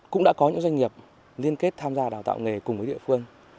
cũng đã có những doanh nghiệp liên kết tham gia đào tạo nghề cùng với địa phương